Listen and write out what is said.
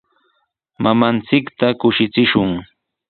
Mamanchikta kushichishun.